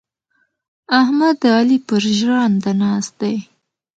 احمد د علي پر ژرنده ناست دی.